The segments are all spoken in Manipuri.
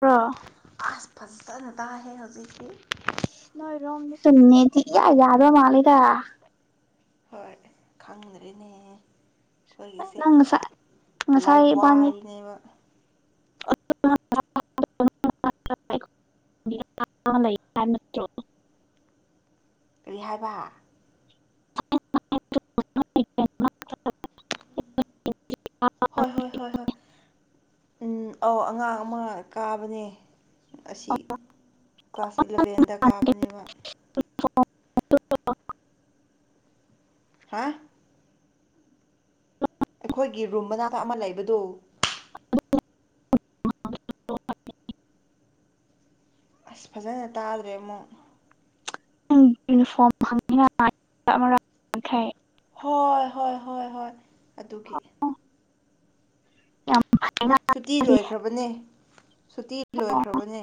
ꯍꯜꯂꯣ ꯑꯁ ꯐꯖꯅ ꯇꯥꯏꯍꯦ ꯍꯧꯖꯤꯛꯇꯤ ꯅꯣꯢ ꯔꯣꯝꯗꯁꯨ ꯅꯦꯠꯇꯤ ꯏꯌꯥ ꯌꯥꯗ꯭ꯔꯥ ꯃꯥꯂꯦꯗ ꯍꯣꯢ ꯈꯪꯗ꯭ꯔꯦꯅꯦ ꯑꯈꯣꯢꯒꯤꯁꯦ ꯅꯪ ꯉꯁꯥꯏ ꯉꯁꯥꯏ ꯏꯕꯥꯅꯤ ꯂꯧꯋꯥꯢꯅꯦꯕ [unintelligible] [unintelligible] ꯅꯠꯇ꯭ꯔꯣ ꯀꯔꯤ ꯍꯥꯢꯕ [unintelligible] ꯍꯣꯢ ꯍꯣꯢ ꯍꯣꯢ ꯍ ꯎꯝ ꯑꯧ ꯑꯉꯥꯡ ꯑꯃ ꯀꯥꯕꯅꯦ ꯑꯁꯤ ꯀ꯭ꯂꯥꯁ ꯏꯂꯚꯦꯟꯗ ꯀꯥꯕꯅꯦꯕ [unintelligible] ꯍꯥ ꯑꯩꯈꯣꯢꯒꯤ ꯔꯨꯝ ꯃꯅꯥꯛꯇ ꯑꯃ ꯂꯩꯕꯗꯣ ꯑꯁ ꯐꯖꯅ ꯇꯥꯗ꯭ꯔꯦ ꯑꯃꯨꯛ ꯅꯪ ꯌꯨꯅꯤꯐꯣꯔꯝ [unintelligible] ꯑꯃꯔꯛ ꯑꯪꯀꯦ ꯍꯣꯢ ꯍꯣꯢ ꯍꯣꯢ ꯍꯣꯢ ꯑꯗꯨꯒꯤ ꯌꯥꯝ ꯐꯠ ꯁꯨꯇꯤ ꯂꯣꯢꯈ꯭ꯔꯕꯅꯦ ꯁꯨꯇꯤ ꯂꯣꯢꯈ꯭ꯔꯕꯅꯦ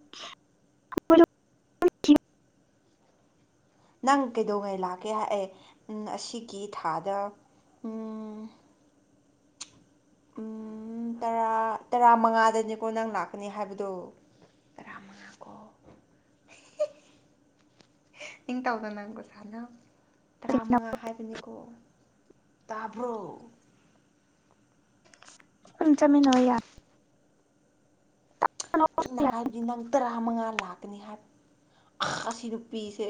[unintelligible] ꯅꯪ ꯀꯩꯗꯧꯉꯩ ꯂꯥꯛꯀꯦ ꯍꯥꯢ ꯅꯪ ꯑꯁꯤꯒꯤ ꯊꯥꯗ ꯎꯝ ꯎꯝ ꯇꯔꯥ ꯇꯔꯥꯃꯉꯥꯗꯅꯤꯀꯣ ꯅꯪ ꯂꯥꯛꯀꯅꯤ ꯍꯥꯢꯕꯗꯣ ꯅꯤꯡꯇꯥꯎꯗꯅ ꯑꯃꯨꯛꯀ ꯁꯨꯃꯥꯏꯅ ꯇꯔꯥꯃꯉꯥ ꯍꯥꯢꯕꯅꯤ ꯀꯣ ꯇꯥꯕ꯭ꯔꯣ ꯄꯨꯟ ꯆꯥꯃꯤꯟꯅꯧ ꯌꯥ ꯑꯩꯅ ꯍꯥꯢꯕꯗꯤ ꯅꯪ ꯇꯔꯥ ꯃꯉꯥ ꯂꯥꯛꯀꯅꯤ ꯍꯥꯢꯕ ꯑꯁꯤ ꯅꯨꯄꯤꯁꯦ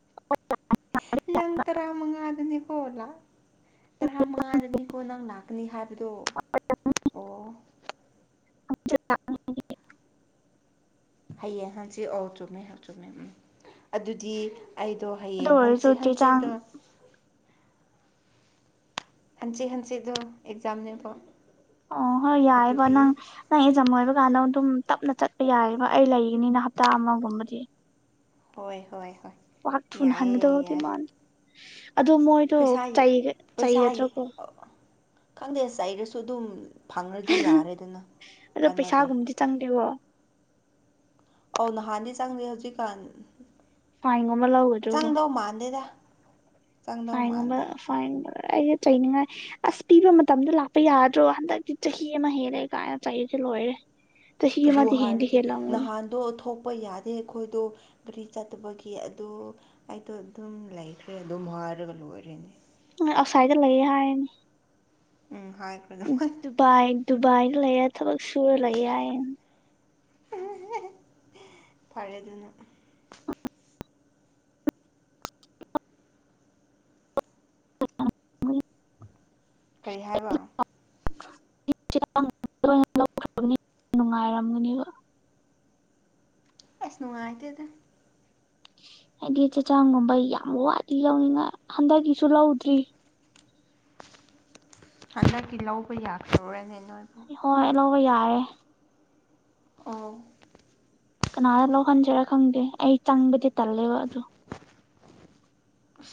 [unintelligible] ꯅꯪ ꯇꯔꯥꯃꯉꯥꯗꯅꯤ ꯀꯣ ꯂꯥꯛ ꯇꯔꯥ ꯃꯉꯥꯗꯅꯤꯀꯣ ꯅꯪ ꯂꯥꯛꯀꯅꯤ ꯍꯥꯢꯕꯗꯣ [unintelligible] [unintelligible] ꯍꯌꯦꯡ ꯍꯪꯆꯤꯠ ꯑꯣ ꯆꯨꯝꯃꯦ ꯑꯣ ꯆꯨꯝꯃꯦ ꯎꯝ ꯑꯗꯨꯗꯤ ꯑꯩꯗꯣ ꯑꯗꯨ ꯍꯌꯦꯡ ꯑꯣꯏꯔꯁꯨ ꯍꯟꯆꯤꯠ ꯆꯦꯆꯥꯡ ꯍꯪꯆꯤꯠꯗꯣ ꯍꯟꯆꯤꯠ ꯍꯟꯆꯤꯗꯣ ꯑꯦꯛꯖꯥꯝꯅꯦꯕꯣ ꯑꯣ ꯍꯣꯏ ꯌꯥꯏꯕ ꯅꯪ ꯅꯪ ꯑꯦꯛꯖꯥꯝ ꯂꯣꯏꯕ ꯀꯥꯟꯗ ꯑꯗꯨꯝ ꯇꯞꯅ ꯆꯠꯄ ꯌꯥꯏꯑꯕ ꯑꯩ ꯂꯩꯒꯅꯤꯅ ꯍꯞꯇꯥ ꯑꯃꯒꯨꯝꯕꯗꯤ ꯍꯣꯏ ꯍꯣꯏ ꯍꯣꯏ ꯋꯥꯛ ꯊꯨꯅ ꯌꯥꯏꯑꯦ ꯍꯟꯒꯗꯧꯗꯤ ꯌꯥꯏ ꯃꯥꯜꯂꯦ ꯑꯗꯣ ꯃꯣꯏ ꯄꯩꯁꯥꯒꯤ ꯄꯩꯁꯥꯒꯤ ꯑ ꯈꯪꯗꯦ ꯆꯩꯔꯁꯨ ꯑꯗꯨꯝ ꯐꯪꯔꯗꯤ ꯌꯥꯔꯦꯗꯅ ꯑꯗꯣ ꯀꯥꯟꯅꯗꯦ ꯄꯩꯁꯥꯒꯨꯝꯕꯗꯤ ꯆꯪꯗꯦꯕꯣ ꯑꯧ ꯅꯍꯥꯟꯗꯤ ꯆꯪꯗꯦ ꯍꯧꯖꯤꯛꯀꯥꯟ ꯐꯥꯏꯟꯒꯨꯝꯕ ꯂꯧꯒꯗ꯭ꯔꯣꯕꯣ ꯆꯪꯗꯣ ꯃꯥꯥꯟꯗꯦꯗ ꯐꯥꯏꯟꯒꯨꯝꯕ ꯐꯥꯏꯟ ꯑꯩꯁꯦ ꯆꯩꯅꯤꯡꯉꯥꯏ ꯑꯁ ꯄꯤꯕ ꯃꯇꯝꯗ ꯂꯥꯛꯄ ꯌꯥꯗ꯭ꯔꯣ ꯍꯟꯗꯛꯇꯤ ꯆꯍꯤ ꯑꯃ ꯍꯦꯜꯂꯦ ꯀꯥꯏꯅ ꯆꯩꯔꯤꯁꯦ ꯂꯣꯏꯔꯦ ꯆꯍꯤ ꯑꯗꯨ ꯑꯃꯗꯤ ꯍꯦꯟꯗꯤ ꯍꯥꯏꯔꯗꯤ ꯍꯦꯜꯂꯝꯒꯅꯤ ꯅꯍꯥꯟꯗꯣ ꯊꯣꯛꯄ ꯌꯥꯗꯦ ꯑꯩꯈꯣꯏꯗꯣ ꯒꯥꯔꯤ ꯆꯠꯇꯕꯒꯤ ꯑꯗꯣ ꯑꯩꯗꯣ ꯑꯗꯨꯝ ꯂꯩꯈ꯭ꯔꯦ ꯑꯗꯨꯝ ꯍꯥꯏꯔꯒ ꯂꯣꯏꯔꯦꯅꯦ ꯑꯩꯅ ꯑꯁꯥꯏꯗ ꯂꯩꯌꯦ ꯍꯥꯏꯅꯤ ꯎꯝ ꯍꯥꯏꯈ꯭ꯔꯣ ꯑꯗꯨꯃꯥꯏꯅ ꯗꯨꯕꯥꯏ ꯗꯨꯕꯥꯏꯗ ꯂꯩꯌꯦ ꯊꯕꯛ ꯁꯨꯔ ꯂꯩꯌꯦ ꯍꯥꯏꯌꯦ ꯐꯔꯦ ꯑꯗꯨꯅ ꯀꯩ ꯍꯥꯏꯕ [inaudible] ꯅꯨꯡꯉꯥꯏꯔꯝꯒꯅꯦꯕ ꯑꯁ ꯅꯨꯡꯉꯥꯏꯇꯦꯗ ꯍꯥꯏꯗꯤ ꯆꯦ ꯆꯥꯡꯒꯨꯝꯕ ꯌꯥꯝ ꯋꯥꯠꯂꯤ ꯌꯧꯅꯤꯡꯉꯥꯏ ꯍꯟꯗꯛꯀꯤꯁꯨ ꯂꯧꯗ꯭ꯔꯤ ꯍꯟꯗꯛꯀꯤ ꯂꯧꯕ ꯌꯥꯗ꯭ꯔꯨꯦꯅꯦ ꯅꯣꯏꯕꯨ ꯍꯣꯏ ꯂꯧꯕ ꯌꯥꯔꯦ ꯑꯧ ꯀꯅꯥꯗ ꯂꯧꯍꯟꯖꯤꯔ ꯈꯪꯗꯦ ꯑꯩ ꯆꯪꯕꯗꯤ ꯇꯜꯂꯦꯕ ꯑꯗꯨ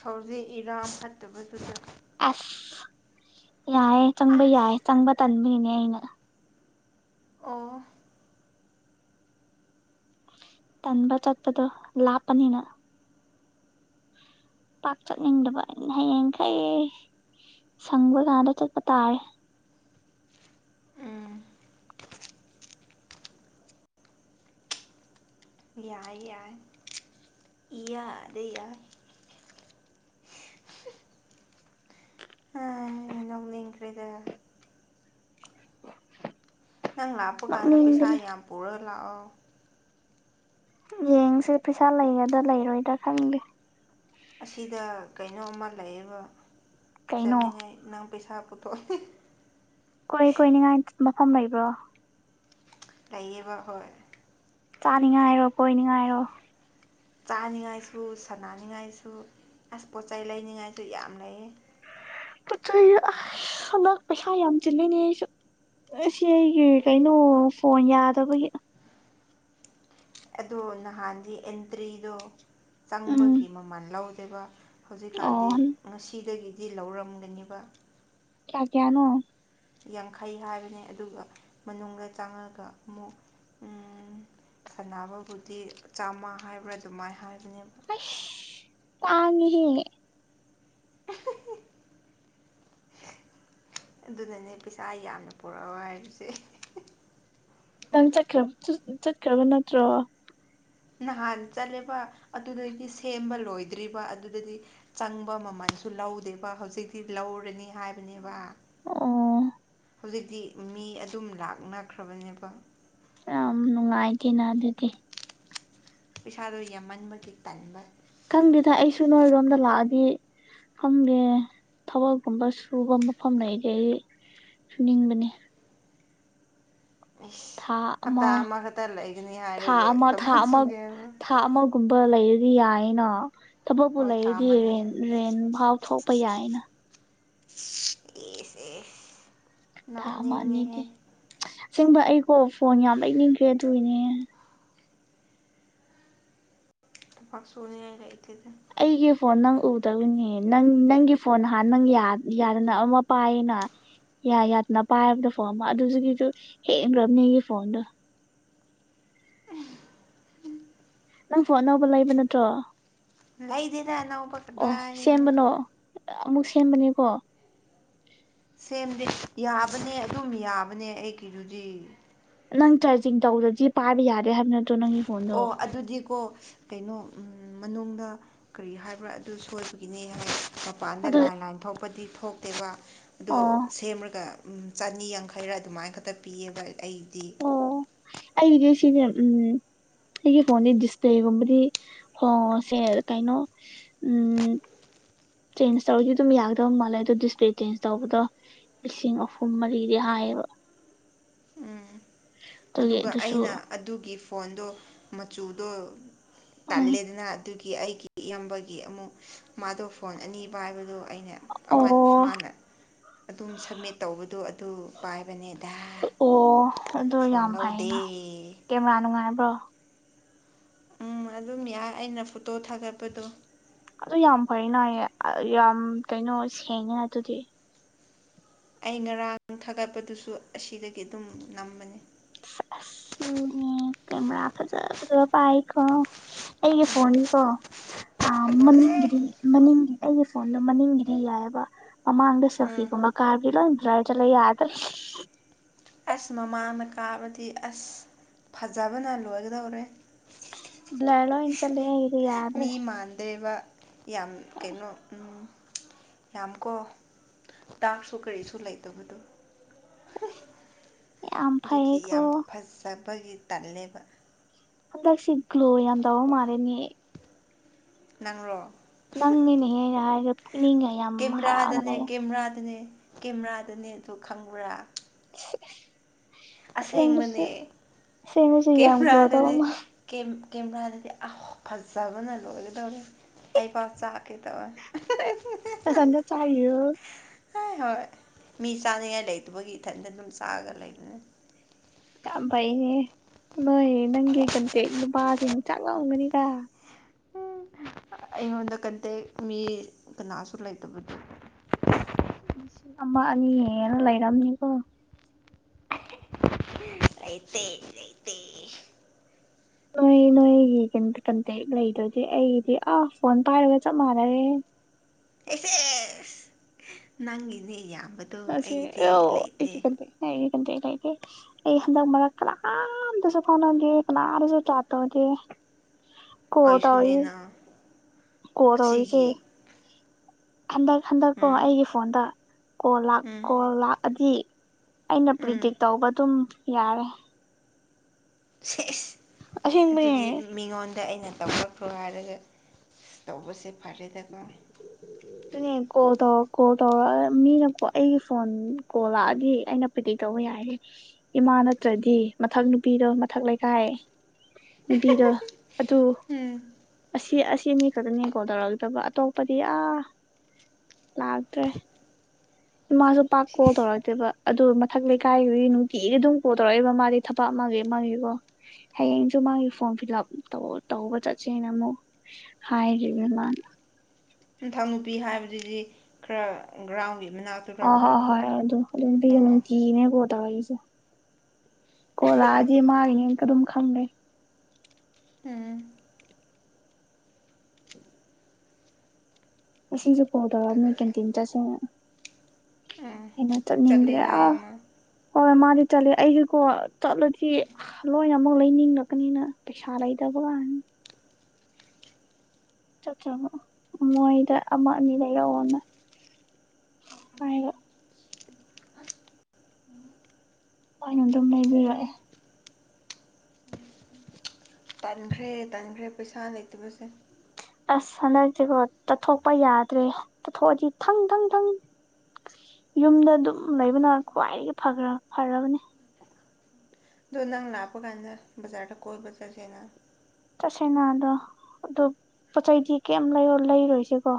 ꯍꯧꯖꯤꯛ ꯏꯔꯥꯡ ꯐꯠꯇꯕꯗꯨꯗ ꯑꯥꯁ ꯌꯥꯏꯌꯦ ꯆꯪꯕ ꯑꯁ ꯌꯥꯏ ꯆꯪꯕ ꯇꯟꯕꯒꯤꯅꯦ ꯑꯩꯅ ꯑꯣ ꯇꯟꯕ ꯆꯠꯄꯇꯣ ꯂꯥꯞꯄꯅꯤꯅ ꯄꯥꯛ ꯆꯠꯅꯤꯡꯗꯕ ꯑꯩꯅ ꯍꯌꯦꯡꯈꯩ ꯁꯪꯕ ꯀꯥꯟꯗ ꯆꯠꯄ ꯇꯥꯔꯦ ꯎꯝ ꯌꯥꯏ ꯌꯥꯏ ꯏꯌꯥꯗ ꯌꯥꯏ ꯍꯥꯏ ꯅꯣꯛꯅꯤꯡꯈ꯭ꯔꯦꯗ ꯅꯪ ꯂꯥꯛꯄ ꯀꯥꯟꯗ ꯄꯩꯁꯥ ꯅꯣꯛꯅꯤꯡꯕꯅꯤ ꯌꯥꯝ ꯄꯨꯔꯒ ꯂꯥꯛꯑꯣ ꯌꯦꯡꯁꯦ ꯄꯩꯁꯥ ꯂꯩꯒꯗ ꯂꯩꯔꯣꯏꯗ꯭ꯔ ꯈꯪꯗꯦ ꯑꯁꯤꯗ ꯀꯩꯅꯣꯝꯃ ꯂꯩꯌꯦꯕ ꯀꯩꯅꯣ ꯆꯥꯅꯤꯡꯉꯥꯏ ꯅꯪ ꯄꯩꯁꯥ ꯄꯨꯊꯣꯛ ꯀꯣꯏ ꯀꯣꯏꯅꯤꯡꯉꯥꯏ ꯃꯐꯝ ꯂꯩꯕ꯭ꯔꯣ ꯂꯩꯌꯦꯕ ꯍꯣꯏ ꯆꯥꯅꯤꯡꯉꯥꯏꯔꯣ ꯀꯣꯏꯅꯤꯡꯉꯥꯏꯔꯣ ꯆꯥꯅꯤꯡꯉꯥꯏꯁꯨ ꯁꯅꯅꯤꯡꯉꯥꯏꯁꯨ ꯑꯁ ꯄꯣꯠꯆꯩ ꯂꯩꯅꯤꯡꯉꯥꯏꯇꯨ ꯌꯥꯝ ꯂꯩꯌꯦ ꯄꯣꯠꯆꯩ ꯑꯥꯏꯁ ꯍꯟꯗꯛ ꯄꯩꯁꯥ ꯌꯥꯝ ꯆꯤꯜꯂꯤꯅꯦ ꯑꯩꯁꯨ ꯑꯁꯤ ꯑꯩꯒꯤ ꯀꯩꯅꯣ ꯐꯣꯟ ꯌꯥꯗꯕꯒꯤ ꯑꯗꯣ ꯅꯍꯥꯟꯗꯤ ꯑꯦꯟꯇ꯭ꯔꯤꯗꯣ ꯎꯝ ꯆꯪꯕꯒꯤ ꯃꯃꯜ ꯂꯧꯗꯦꯕ ꯑꯣ ꯍꯧꯖꯤꯛꯀꯥꯟꯗꯤ ꯉꯁꯤꯗꯒꯤꯗꯤ ꯂꯧꯔꯝꯒꯅꯤꯕ ꯀ꯭ꯌꯥ ꯀ꯭ꯌꯥꯅꯣ ꯌꯥꯡꯈꯩ ꯍꯥꯏꯕꯅꯦ ꯑꯗꯨꯒ ꯃꯅꯨꯡꯗ ꯆꯪꯉꯒ ꯑꯃꯨꯛ ꯎꯝ ꯁꯥꯟꯅꯕꯕꯨꯗꯤ ꯆꯥꯝꯃꯥ ꯍꯥꯏꯕ꯭ꯔꯥ ꯑꯗꯨꯃꯥꯏ ꯍꯥꯏꯕꯅꯦꯕ ꯍꯩꯁ ꯇꯥꯡꯉꯦꯍꯦ [inaudible] ꯑꯗꯨꯅꯅꯦ ꯄꯩꯁꯥ ꯌꯥꯝꯅ ꯄꯨꯔꯛꯑꯣ ꯍꯥꯏꯔꯤꯁꯦ ꯅꯪ ꯆꯠꯈ꯭ꯔ ꯇꯨ ꯆꯠꯈ꯭ꯔꯕ ꯅꯠꯇ꯭ꯔꯣ ꯅꯍꯥꯟ ꯆꯠꯂꯦꯕ ꯑꯗꯨꯗꯗꯤ ꯁꯦꯝꯕ ꯂꯣꯏꯗ꯭ꯔꯤꯕ ꯑꯗꯨꯗꯗꯤ ꯆꯪꯕ ꯃꯃꯜꯁꯨ ꯂꯧꯗꯦꯕ ꯍꯧꯖꯤꯛꯇꯤ ꯂꯧꯔꯅꯤ ꯍꯥꯏꯕꯅꯦꯕ ꯑꯣ ꯍꯨꯖꯤꯛꯇꯤ ꯃꯤ ꯑꯗꯨꯝ ꯂꯥꯛꯅꯈ꯭ꯔꯕꯅꯦꯕ ꯌꯥꯝꯅ ꯅꯨꯡꯉꯥꯏꯇꯦꯅ ꯑꯗꯨꯗꯤ ꯄꯩꯁꯥꯗꯣ ꯌꯥꯝꯃꯟꯕꯒꯤ ꯇꯟꯕ ꯈꯪꯗꯦꯗ ꯑꯩꯁꯨ ꯅꯣꯏꯔꯣꯝꯗ ꯂꯥꯛꯑꯗꯤ ꯈꯪꯗꯦ ꯊꯕꯛꯒꯨꯝꯕ ꯁꯨꯕ ꯃꯐꯝ ꯂꯩꯔꯗꯤ ꯑꯩ ꯁꯨꯅꯤꯡꯕꯅꯦ ꯑꯩꯁ ꯊꯥ ꯍꯞꯇꯥ ꯑꯃ ꯑꯃꯥ ꯈꯛꯇ ꯂꯩꯒꯅꯤ ꯊꯥ ꯍꯥꯏꯔꯒ ꯑꯃ ꯊꯥ ꯊꯕꯛ ꯑꯃ ꯁꯨꯒꯦꯕ ꯍꯥꯏꯕ꯭ꯔ ꯊꯥ ꯑꯃꯥꯒꯨꯝꯕ ꯂꯩꯔꯗꯤ ꯌꯥꯏꯌꯦꯅ ꯊꯕꯛꯄꯨ ꯍꯣꯏ ꯊꯥ ꯂꯩꯔꯗꯤ ꯑꯃꯗꯤ ꯔꯦꯟ ꯔꯦꯟꯐꯥꯎ ꯊꯣꯛꯄ ꯌꯥꯏꯅ ꯀꯦ ꯑꯦꯁ ꯑꯦ ꯊꯥ ꯑꯃꯥ ꯑꯅꯤꯗꯤ ꯑꯁꯦꯡꯕ ꯑꯩꯀꯣ ꯐꯣꯟ ꯌꯥꯝ ꯂꯩꯅꯤꯡꯈ꯭ꯔꯦ ꯑꯗꯨꯏꯅꯦ ꯄꯥꯥꯛ ꯁꯨꯅꯤꯡꯉꯥ ꯢ ꯂꯩ ꯇꯦꯗ ꯑꯩꯒꯤ ꯐꯣꯟ ꯅꯪ ꯎꯗꯕꯅꯦ ꯅꯪ ꯅꯪꯒꯤ ꯐꯣꯟ ꯍꯥꯟꯅ ꯅꯪ ꯌꯥꯗ ꯌꯥꯗꯅ ꯑꯃ ꯄꯥꯢꯌꯦꯅ ꯌꯥꯢ ꯌꯥꯗꯅ ꯄꯥꯢꯕꯗꯣ ꯐꯣꯟ ꯑꯃ ꯑꯗꯨꯗꯨꯒꯤꯁꯨ ꯍꯦꯟꯈ꯭ꯔꯕꯅꯦ ꯑꯩꯒꯤ ꯐꯣꯟꯗꯣ ꯅꯪ ꯐꯣꯟ ꯑꯅꯧꯕ ꯂꯩꯕ ꯅꯠꯇ꯭ꯔꯣ ꯑꯩꯗꯤꯗ ꯑꯅꯧꯕ ꯑꯣ ꯀꯗꯥꯏꯗꯒꯤ ꯁꯦꯝꯕꯅꯣ ꯑꯃꯨꯛ ꯁꯦꯝꯕꯅꯦꯀꯣ ꯁꯦꯝꯗꯤ ꯌꯥꯕꯅꯦ ꯑꯗꯨꯝ ꯌꯥꯕꯅꯦ ꯑꯩꯒꯤꯗꯨꯗꯤ ꯅꯪ ꯆꯥꯔꯖꯤꯡ ꯇꯧꯗ꯭ꯔꯗꯤ ꯄꯥꯢꯕ ꯌꯥꯗꯦ ꯍꯥꯢꯕ ꯅꯠꯇ꯭ꯔꯣ ꯅꯪꯒꯤ ꯐꯣꯟꯗꯣ ꯑꯣ ꯑꯗꯨꯗꯤꯀꯣ ꯀꯩꯅꯣ ꯎꯝ ꯃꯅꯨꯡꯗ ꯀꯔꯤ ꯍꯥꯢꯕ꯭ꯔꯥ ꯑꯗꯨ ꯁꯣꯢꯕꯒꯤꯅꯦ ꯍꯥꯢ ꯃꯄꯥꯟꯗ ꯑꯗꯨ ꯂꯥꯏꯟ ꯂꯥꯏꯟ ꯊꯣꯛꯄꯗꯤ ꯊꯣꯛꯇꯦꯕ ꯑꯗꯣ ꯑꯣ ꯁꯦꯝꯃꯒ ꯎꯝ ꯆꯥꯥꯅꯤ ꯌꯥꯡꯈꯩꯔ ꯑꯗꯨꯃꯥꯏꯟ ꯈꯛꯇ ꯄꯤꯌꯦꯕ ꯑꯩꯗꯤ ꯑꯣ ꯑꯩꯗꯤꯁꯤꯅꯦ ꯎꯝ ꯑꯩꯒꯤ ꯐꯣꯟꯗꯤ ꯗꯤꯁꯄ꯭ꯂꯦꯒꯨꯝꯕꯗꯤ ꯍꯣꯜꯁꯦ ꯀꯩꯅꯣ ꯎꯝ ꯆꯦꯟꯖ ꯇꯧꯔꯗꯤ ꯑꯗꯨꯝ ꯌꯥꯒꯗꯧ ꯃꯥꯜꯂꯦ ꯑꯗꯣ ꯗꯤꯁꯄ꯭ꯂꯦ ꯆꯦꯟꯖ ꯇꯧꯕꯗꯣ ꯂꯤꯁꯤꯡ ꯑꯍꯨꯝ ꯃꯔꯤꯗꯤ ꯍꯥꯢꯌꯦꯕ ꯎꯝ ꯑꯗꯨꯒꯤ ꯑꯗꯨꯒ ꯑꯗꯨꯁꯨ ꯑꯩꯅ ꯑꯗꯨꯒꯤ ꯐꯣꯟꯗꯣ ꯃꯆꯨꯗꯣ ꯎꯝ ꯇꯜꯂꯦꯗꯅ ꯑꯗꯨꯒꯤ ꯑꯩꯒꯤ ꯏꯌꯥꯝꯕꯒꯤ ꯑꯃꯨꯛ ꯃꯥꯗꯣ ꯐꯣꯟ ꯑꯅꯤ ꯄꯥꯢꯕꯗꯣ ꯑꯩꯅ ꯑꯣ ꯑꯃ ꯃꯥꯅ ꯑꯗꯨꯝ ꯁꯃꯤꯠ ꯇꯧꯕꯗꯣ ꯑꯗꯨ ꯄꯥꯢꯕꯅꯤꯗ ꯑꯣ ꯑꯗꯨ ꯌꯥꯝ ꯐꯩꯌꯦꯅ ꯀꯦꯃꯦꯔꯥ ꯅꯨꯡꯉꯥꯢꯕ꯭ꯔꯣ ꯎꯝ ꯑꯗꯨꯝ ꯌꯥꯢ ꯑꯩꯅ ꯐꯣꯇꯣ ꯊꯥꯒꯠꯄꯗꯣ ꯑꯗꯣ ꯌꯥꯝ ꯐꯩꯅ ꯌꯥꯝ ꯀꯩꯅꯣ ꯁꯦꯡꯉꯤꯅ ꯑꯗꯨꯗꯤ ꯑꯩ ꯉꯔꯥꯡ ꯊꯥꯒꯠꯄꯗꯨꯁꯨ ꯑꯁꯤꯗꯒꯤ ꯑꯗꯨꯝ ꯅꯝꯕꯅꯤ ꯑꯁ ꯃꯤꯗꯤ ꯀꯦꯃꯦꯔꯥ ꯐꯖ ꯐꯖꯕ ꯄꯥꯢꯀꯣ ꯑꯩꯒꯤ ꯎꯝ ꯐꯣꯟꯅꯤꯀꯣ ꯑꯥ ꯐꯖꯕꯅꯦ ꯃꯅꯤꯡꯒꯤꯗꯤ ꯃꯅꯤꯡꯒꯤ ꯑꯧꯒꯤ ꯐꯣꯟꯗꯣ ꯃꯅꯤꯡꯒꯤꯗꯤ ꯌꯥꯢꯑꯦꯕ ꯑꯃꯥꯡꯗ ꯎꯝ ꯁꯦꯜꯐꯤꯒꯨꯝꯕ ꯀꯥꯞꯄꯗꯤ ꯂꯣꯢ ꯕ꯭ꯂꯔ ꯆꯠꯂꯦ ꯌꯥꯗ꯭ꯔꯦ ꯑꯁ ꯃꯃꯥꯡꯗ ꯀꯥꯞꯄꯗꯤ ꯑꯁ ꯐꯖꯕꯅ ꯂꯣꯢꯒꯗꯧꯔꯦ ꯕ꯭ꯂꯔ ꯂꯣꯏꯅ ꯆꯠꯂꯦ ꯌꯥꯗ꯭ꯔꯦ ꯃꯤ ꯃꯥꯟꯗꯦꯕ ꯌꯥꯝ ꯀꯩꯅꯣ ꯎꯝ ꯌꯥꯝ ꯀꯣ ꯇꯥꯛꯁꯨ ꯀꯔꯤꯁꯨ ꯂꯩꯇꯕꯗꯣ ꯌꯥꯝ ꯐꯩꯌꯦꯀꯣ ꯆꯠꯄꯒꯤ ꯇꯜꯂꯦꯕ ꯍꯟꯗꯛꯁꯦ ꯒ꯭ꯂꯣ ꯌꯥꯝ ꯇꯧꯕ ꯃꯥꯜꯂꯦꯅꯦ ꯅꯪꯔꯣ ꯅꯪꯅꯤꯅꯍꯦ ꯑꯩꯅ ꯍꯥꯢ [unintelligible] ꯀꯦꯃꯦꯔꯥꯗꯅꯦ ꯀꯦꯃꯦꯔꯥꯗꯅꯦ ꯀꯦꯃꯦꯔꯥꯗꯅꯦ ꯑꯗꯨ ꯈꯪꯕ꯭ꯔꯥ [unintelligible] ꯑꯁꯦꯡꯕꯁꯨ ꯑꯁꯦꯡꯕꯅꯦ ꯑꯁꯦꯡꯕꯁꯨ ꯌꯥꯝ ꯒ꯭ꯂꯣ ꯇꯧꯕ ꯀꯦꯃꯦꯔꯥꯗꯗꯤ ꯀꯦꯝ ꯀꯦꯃꯦꯔꯥꯗꯗꯤ ꯑꯧ ꯐꯖꯕꯅ ꯂꯣꯢꯒꯗꯧꯔꯦ ꯑꯩ ꯄꯥꯎ ꯆꯥꯛꯀꯦ ꯇꯧꯋꯦ [unintelligible] ꯅꯊꯟꯗ ꯆꯥꯢꯔꯣ ꯍꯣꯢ ꯍꯣꯢ ꯃꯤ ꯆꯥꯅꯤꯡꯉꯥꯢ ꯂꯩꯇꯕꯒꯤ ꯏꯊꯟꯇ ꯑꯗꯨꯝ ꯆꯥꯛꯑꯒ ꯂꯩꯕꯅꯦ ꯌꯥꯝ ꯐꯩꯑꯦꯅꯦ ꯅꯣꯢ ꯅꯪꯒꯤ ꯀꯟꯇꯦꯛ ꯅꯨꯄꯥꯁꯤꯡ ꯆꯥꯛꯑꯝꯒꯅꯤꯗ ꯑꯩꯉꯣꯟꯗ ꯀꯟꯇꯦꯛ ꯃꯤ ꯀꯅꯥꯁꯨ ꯂꯩꯇꯕꯗꯨ ꯏꯁ ꯂꯤꯁꯤꯡ ꯑꯃ ꯑꯅꯤ ꯍꯦꯟꯅ ꯂꯩꯔꯝꯅꯤꯀꯣ ꯂꯩꯇꯦ ꯂꯩꯥꯇꯦ ꯅꯣꯏ ꯅꯣꯏꯒꯤ ꯀꯟꯇꯦꯛ ꯂꯩꯗꯨꯗꯤ ꯑꯩꯒꯤꯗꯤ ꯑꯥ ꯐꯣꯟ ꯄꯥꯏꯔꯒ ꯆꯞ ꯃꯥꯟꯅꯔꯦꯍꯦ ꯑꯦꯁꯦꯁ ꯅꯪꯒꯤꯅꯦ ꯌꯥꯝꯕ ꯅꯁꯦ ꯑꯩꯌꯣ ꯑꯩꯒꯤ ꯀꯦꯟꯇꯦꯛ ꯂꯩꯇꯦ ꯑꯩ ꯍꯟꯗꯛ ꯃꯔꯛ ꯀꯅꯥꯝꯗꯁꯨ ꯐꯥꯎꯅꯗꯦ ꯀꯅꯥꯗꯁꯨ ꯆꯥꯠ ꯇꯧꯗꯦ ꯀꯣꯜ ꯇꯧꯔꯛꯏ ꯑꯩꯁꯨꯅꯦꯅ ꯀꯣꯜ ꯇꯧꯔꯛꯏꯁꯦ ꯑꯁꯤꯒꯤ ꯍꯟꯗꯛ ꯍꯟꯗꯛꯀꯣ ꯎꯝ ꯑꯩꯒꯤ ꯐꯣꯟꯗ ꯀꯣꯜ ꯂꯥꯛ ꯎꯝ ꯀꯣꯜ ꯂꯥꯛꯑꯗꯤ ꯑꯩꯅ ꯄ꯭ꯔꯤꯗꯤꯛ ꯎꯝ ꯇꯧꯕ ꯑꯗꯨꯝ ꯌꯥꯔꯦ ꯁꯦꯁ ꯑꯗꯨꯗꯤ ꯑꯁꯦꯡꯕꯅꯦ ꯃꯤꯉꯣꯟꯗ ꯑꯩꯅ ꯇꯧꯔꯛ ꯊꯨꯒꯥꯏꯔꯒ ꯇꯧꯕꯁꯦ ꯐꯔꯦꯗꯀꯣ ꯑꯗꯨꯅꯦ ꯀꯣꯜ ꯇꯧꯔ ꯀꯣꯜ ꯇꯧꯔ ꯃꯤꯅꯣ ꯑꯩꯒꯤ ꯐꯣꯟ ꯀꯣꯜ ꯂꯥꯛꯑꯗꯤ ꯑꯩꯅ ꯀꯗꯤ ꯇꯧꯕ ꯌꯥꯏꯌꯦ ꯏꯃꯥ ꯅꯠꯇ꯭ꯔꯗꯤ ꯃꯊꯛ ꯅꯨꯄꯤꯗꯣ ꯃꯊꯛ ꯂꯩꯀꯥꯏ ꯅꯨꯄꯤꯗꯣ ꯑꯗꯨ ꯎꯝ ꯑꯁꯤ ꯑꯁꯤꯅꯤ ꯈꯛꯇꯅꯦ ꯀꯣꯜ ꯇꯧꯔꯛꯇꯕ ꯑꯇꯣꯞꯄꯗꯤ ꯑꯥ ꯂꯥꯛꯇ꯭ꯔꯦ ꯃꯥꯁꯨ ꯄꯥꯛ ꯀꯣꯜ ꯇꯧꯔꯛꯇꯦꯕ ꯑꯗꯨ ꯃꯊꯛ ꯂꯩꯀꯥꯏꯒꯤꯔꯝ ꯅꯨꯡꯇꯤꯗꯤ ꯑꯗꯨꯝ ꯀꯣꯜ ꯇꯧꯔꯛꯏꯕ ꯃꯥꯗꯤ ꯊꯕꯛ ꯑꯃꯒꯤ ꯑꯃꯒꯤꯀꯣ ꯍꯌꯦꯡꯁꯨ ꯃꯥꯒꯤ ꯐꯣꯔꯝ ꯐꯤꯂꯞ ꯇꯧ ꯇꯧꯕ ꯆꯠꯁꯦꯅ ꯑꯃꯨꯛ ꯍꯥꯏꯔꯤꯕꯅꯤ ꯃꯅꯥ ꯅꯤꯡꯊꯧ ꯅꯨꯨꯄꯤ ꯍꯥꯏꯕꯗꯨꯗꯤ ꯈꯔ ꯒ꯭ꯔꯥꯎꯟꯒꯤ ꯃꯅꯥꯛꯇ ꯍꯣꯏ ꯍꯣꯏ ꯍꯣꯏ ꯑꯗꯨ ꯑꯗꯨ ꯅꯨꯄꯤꯒꯤ ꯅꯨꯡꯇꯤꯒꯤꯅꯦ ꯀꯣꯜ ꯇꯧꯔꯛ ꯏ ꯁꯦ ꯀꯣꯜ ꯂꯥꯛꯑꯗꯤ ꯃꯥꯒꯤꯅꯦ ꯑꯗꯨꯝ ꯈꯪꯂꯦ ꯎꯝ ꯃꯁꯤꯡꯁꯨ ꯀꯣꯜ ꯇꯧꯔꯛꯑꯃꯦ ꯀꯥꯟꯇꯤꯟ ꯆꯠꯁꯦꯅ ꯎꯝ ꯑꯩꯅ ꯆꯠꯂꯦ ꯆꯠꯅꯤꯡꯗ꯭ꯔꯦ ꯑꯥ ꯍꯥꯏꯌꯦ ꯃꯥ ꯍꯣꯏ ꯃꯥꯗꯤ ꯆꯠꯂꯤ ꯑꯩꯒꯤꯀꯣ ꯆꯠꯂꯗꯤ ꯂꯣꯏ ꯑꯩ ꯑꯃꯨꯛ ꯂꯩꯅꯤꯡꯂꯛꯄꯅꯤꯅ ꯄꯩꯁꯥ ꯂꯩꯇꯕ ꯀꯥꯏꯅ ꯆꯠꯇ꯭ꯔꯕ ꯃꯣꯏꯗ ꯑꯃ ꯑꯅꯤ ꯂꯩꯔꯛ ꯑꯣ ꯅ ꯍꯥꯏꯕ ꯑꯣꯗꯨꯝ ꯂꯩꯕꯤꯔꯛꯑꯦꯛ ꯎꯝ ꯇꯟꯈ꯭ꯔꯦ ꯇꯟꯈ꯭ꯔꯦ ꯄꯩꯁꯥ ꯂꯩꯇꯕꯁꯦ ꯑꯁ ꯍꯟꯗꯛꯇꯤꯀꯣ ꯇꯠꯊꯣꯛꯄ ꯌꯥꯗ꯭ꯔꯦ ꯇꯥꯊꯣꯛꯑꯗꯤ ꯊꯪ ꯊꯪ ꯊꯪ ꯌꯨꯝꯗ ꯑꯗꯨꯝ ꯂꯩꯕꯅ ꯈ꯭ꯋꯥꯏꯗꯒꯤ ꯐꯈ꯭ꯔ ꯐꯔꯕꯅꯤ ꯗꯣ ꯅꯪ ꯂꯥꯞꯄ ꯀꯥꯥꯟꯗ ꯕꯖꯥꯔꯗ ꯀꯣꯏꯕ ꯆꯠꯁꯦꯅ ꯆꯠꯁꯦꯅ ꯑꯗꯣ ꯑꯗꯨ ꯄꯣꯠ ꯆꯩꯗꯤ ꯀꯌꯤꯝ ꯂꯩ ꯂꯩꯔꯣꯏꯁꯦꯀꯣ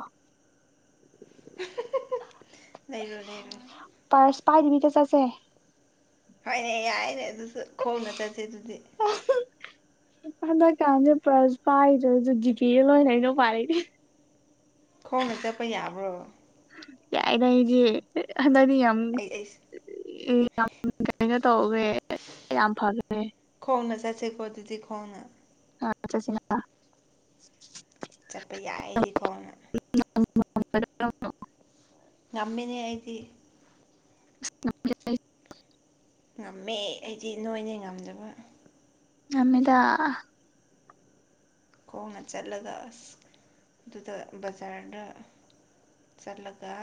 ꯂꯩꯔꯣꯏ ꯂꯩꯔꯣꯏ ꯄ꯭ꯔꯁ ꯄꯥꯏꯗꯕꯤꯗ ꯆꯠꯁꯦ ꯍꯣꯢꯅꯦ ꯌꯥꯢꯅꯦ ꯑꯗꯨꯁꯨ ꯈꯣꯡꯅ ꯆꯠꯁꯦ ꯑꯗꯨꯗꯤ ꯍꯟꯗꯛꯀꯥꯟꯁꯦ ꯄ꯭ꯔꯁ ꯄꯥꯢꯗꯁꯨ ꯖꯤ ꯄꯤ ꯑꯦ ꯂꯣꯢꯅ ꯀꯩꯅꯣ ꯄꯥꯢꯅꯦ ꯈꯣꯡꯅ ꯆꯠꯄ ꯌꯥꯕ꯭ꯔꯣ ꯌꯥꯢꯗ ꯑꯩꯗꯤ ꯍꯟꯗꯛꯇꯤ ꯌꯥꯥꯝ ꯑꯩ ꯑꯩ ꯎꯝ ꯌꯥꯝ ꯀꯩꯅꯣ ꯇꯧꯋꯦ ꯌꯥꯝ ꯐꯈ꯭ꯔꯦ ꯈꯣꯡꯅ ꯆꯠꯁꯦꯀꯣ ꯑꯗꯨꯗꯤ ꯈꯣꯡꯅ ꯍꯣꯢ ꯆꯠꯁꯤꯅ ꯆꯠꯄ ꯌꯥꯢ ꯑꯩꯗꯤ ꯈꯣꯡꯅ ꯉꯝꯃꯦꯅꯦ ꯑꯩꯗꯤ [inaudible] ꯉꯝꯃꯦ ꯑꯩꯗꯤ ꯅꯣꯢꯅꯦ ꯉꯝꯗꯕ ꯉꯝꯃꯤꯗ ꯈꯣꯡꯅ ꯆꯠꯂꯒ ꯑꯁ ꯑꯗꯨꯗ ꯕꯖꯥꯔꯗ ꯆꯠꯂꯒ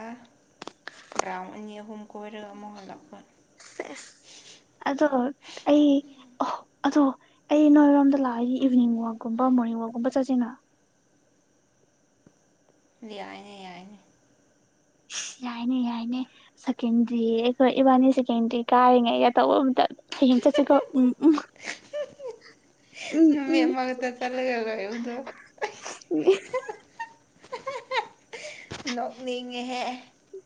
ꯒ꯭ꯔꯥꯎꯟ ꯑꯅꯤ ꯑꯍꯨꯝ ꯀꯣꯢꯔꯒ ꯑꯃꯨꯛ ꯍꯜꯂꯛꯄ ꯁꯦꯁ ꯑꯗꯨꯒ ꯑꯩ ꯑꯣ ꯑꯗꯣ ꯑꯩ ꯅꯣꯢꯔꯣꯝꯗ ꯂꯥꯛꯑꯒꯤ ꯏꯚꯤꯅꯤꯡ ꯋꯥꯛꯀꯨꯝꯕ ꯃꯣꯔꯅꯤꯡ ꯋꯥꯛꯀꯨꯝꯕ ꯆꯠꯁꯤꯅ ꯌꯥꯢꯅꯦ ꯌꯥꯢꯅꯦ ꯌꯥꯢꯅꯦ ꯌꯥꯢꯅꯦ ꯁꯦꯀꯦꯟꯗ꯭ꯔꯤ ꯑꯩꯈꯣꯢ ꯏꯕꯥꯅꯤ ꯁꯦꯀꯦꯟꯗ꯭ꯔꯤ ꯀꯥꯔꯤꯉꯩ ꯇꯧꯕ ꯃꯇꯝ ꯍꯌꯦꯡ ꯆꯠꯁꯤꯀꯣ ꯎꯝ ꯎꯝ [unintelligible] ꯎꯝ ꯅꯨꯃꯤꯠ ꯎꯝ ꯑꯃꯒꯇ ꯆꯜꯂꯒ ꯂꯩꯕꯗꯣ ꯎꯝ [unintelligible] ꯅꯣꯛꯅꯤꯡꯉꯦꯍꯦ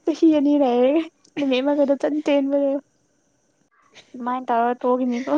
ꯆꯍꯤ ꯑꯅꯤ ꯂꯩꯔꯒ ꯅꯨꯃꯤꯠ ꯑꯃꯒ ꯗꯨꯝ ꯈꯤꯇꯪ ꯇꯦꯟꯕꯗꯣ ꯑꯗꯨꯃꯥꯢꯅ ꯇꯧꯔ ꯇꯣꯛꯀꯅꯤꯀꯣ